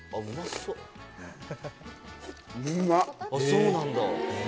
そうなんだ。